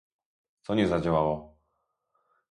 Co nie zadziałało?